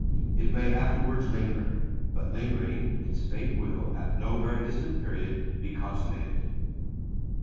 It may afterwards linger; but lingering, its fate will, at no very distant period, be consummated."